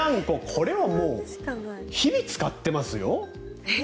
これは日々使ってますよ。